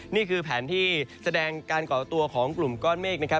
นี่คือแผนที่แสดงการก่อตัวของกลุ่มก้อนเมฆนะครับ